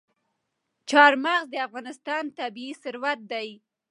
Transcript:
چار مغز د افغانستان طبعي ثروت دی.